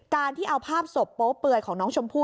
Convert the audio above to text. การที่เอาภาพศพโป๊เปื่อยของน้องชมพู่